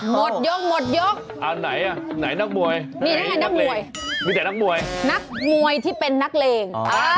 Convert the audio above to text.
หมดยกหมดยกอันไหนอ่ะไหนนักมวยนี่นักมวยมีแต่นักมวยนักมวยที่เป็นนักเลง